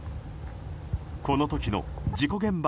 この時の事故現場